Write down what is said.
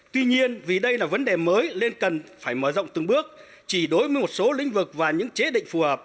tuy nhiên vì đây là vấn đề mới nên cần phải mở rộng từng bước chỉ đối với một số lĩnh vực và những chế định phù hợp